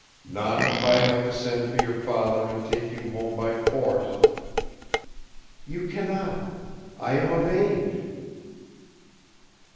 "Not if I have to send for your father and take you home by force." "You cannot. I am of age."